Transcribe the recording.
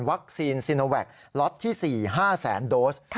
ซีโนแวคล็อตที่๔๕แสนโดส